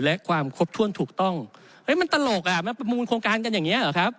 และความครบถ้วนถูกต้องเฮ้ยมันตลกอ่ะมาประมูลโครงการกันอย่างนี้เหรอครับ